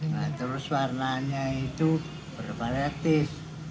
nah terus warnanya itu berpalektis